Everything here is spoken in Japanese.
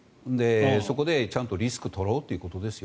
そこでリスクを取ろうということです。